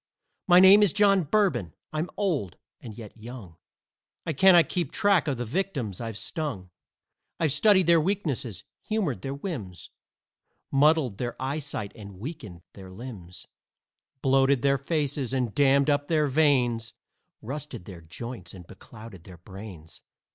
My name is John Bourbon, I'm old, and yet young; I cannot keep track of the victims I've stung. I've studied their weaknesses, humored their whims, Muddled their eyesight and weakened their limbs, Bloated their faces and dammed up their veins, Rusted their joints and beclouded their brains.